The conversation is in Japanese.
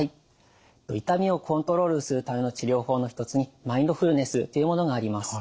痛みをコントロールするための治療法の一つにマインドフルネスというものがあります。